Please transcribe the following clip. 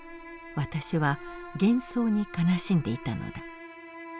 私は幻想に悲しんでいたのだ。